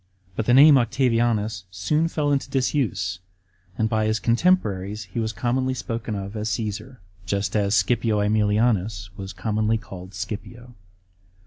But the name Octavianus soon fill into disuse, and by his contemporaries he was commonly spoken of as Caesar, just as Scipio ^Emilianns was commonly called S»;ipio.